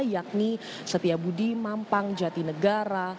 yakni setiabudi mampang jatinegara